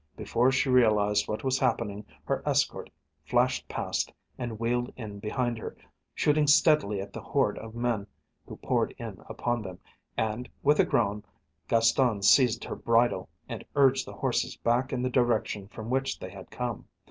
Before she realised what was happening her escort flashed past and wheeled in behind her, shooting steadily at the horde of men who poured in upon them, and, with a groan, Gaston seized her bridle and urged the horses back in the direction from which they had come.